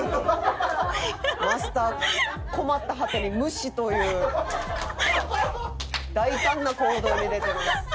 マスター困った果てに無視という大胆な行動に出ております。